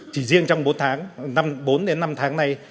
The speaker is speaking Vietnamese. chỉ riêng trong bốn năm tháng này